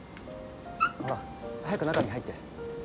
ほら早く中に入って。